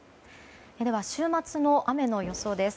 では、週末の雨の予想です。